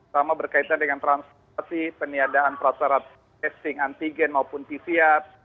sama berkaitan dengan transportasi peniadaan prasarat testing antigen maupun pcr